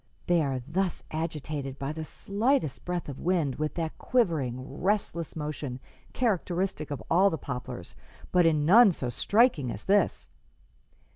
They are thus agitated by the slightest breath of wind with that quivering, restless motion characteristic of all the poplars, but in none so striking as this.